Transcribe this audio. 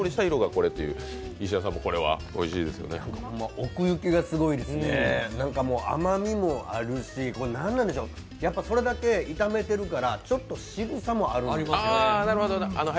奥行きがすごいですね、甘みもあるしそれだけ、炒めてるからちょっと渋さもあるんです。